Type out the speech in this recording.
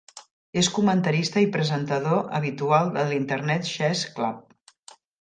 És comentarista i presentador habitual de l'Internet Chess Club.